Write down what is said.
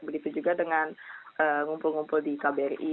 begitu juga dengan ngumpul ngumpul di kbri